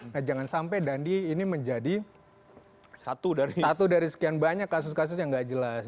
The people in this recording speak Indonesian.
nah jangan sampai dandi ini menjadi satu dari sekian banyak kasus kasus yang gak jelas